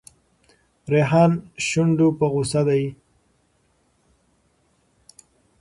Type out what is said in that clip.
ریحان شونډو په غوسه دی.